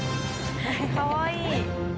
かわいい。